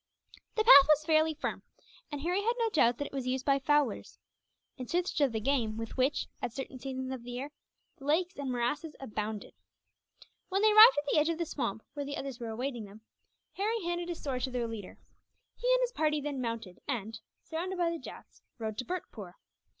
The path was fairly firm, and Harry had no doubt that it was used by fowlers, in search of the game with which, at certain seasons of the year, the lakes and morasses abounded. When they arrived at the edge of the swamp, where the others were awaiting them, Harry handed his sword to their leader. He and his party then mounted and, surrounded by the Jats, rode to Bhurtpoor.